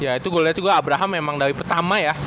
ya itu gue lihat juga abraham memang dari pertama ya